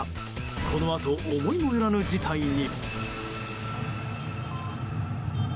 このあと、思いもよらぬ事態に。